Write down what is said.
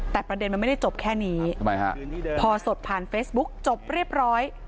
แต่ประเด็นมันไม่ได้จบแค่นี้ทำไมฮะพอสดผ่านเฟซบุ๊กจบเรียบร้อย